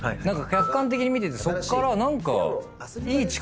客観的に見ててそっから何か。